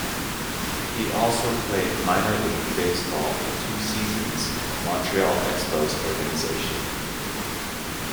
He also played minor-league baseball for two seasons in the Montreal Expos organization.